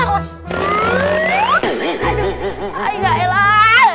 aduh enggak elah